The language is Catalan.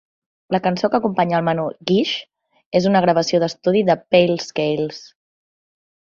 La cançó que acompanya el menú "Gish" és una gravació d'estudi de "Pale Scales".